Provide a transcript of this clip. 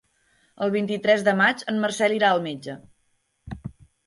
El vint-i-tres de maig en Marcel irà al metge.